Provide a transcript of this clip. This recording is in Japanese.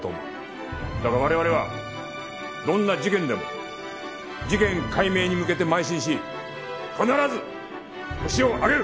だが我々はどんな事件でも事件解明に向けて邁進し必ずホシを挙げる！